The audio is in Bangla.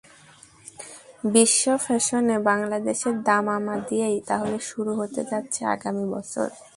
বিশ্ব ফ্যাশনে বাংলাদেশের দামামা দিয়েই তাহলে শুরু হতে যাচ্ছে আগামী বছর।